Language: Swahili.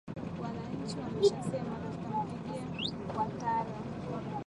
wananchi wameshasema tunamtupigia watara